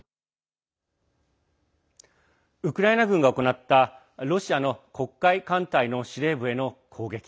ウクライナ軍が行ったロシアの黒海艦隊の司令部への攻撃。